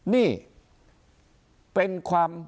นี่เป็นความ